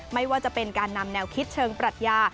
ไม่ว่าจะเป็นการนำแนวคิดเชิงปรัชญา